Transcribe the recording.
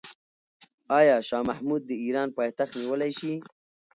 آیا شاه محمود د ایران پایتخت نیولی شي؟